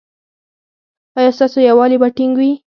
ایا ستاسو یووالي به ټینګ وي؟